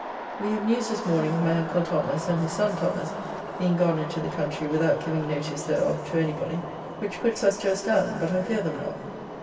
We have news this morning of my uncle Thomas and his son Thomas being gone into the country without giving notice thereof to anybody, which puts us to a stand, but I fear them not.